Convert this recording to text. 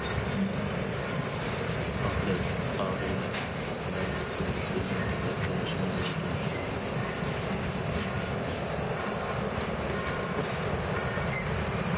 ئابلەت:-ئاغىنە مەن سېنى بىزنىڭ بىر تونۇشىمىزغا تونۇشتۇردۇم.